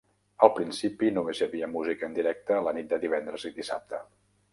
Al principi, només hi havia música en directe la nit de divendres i dissabte.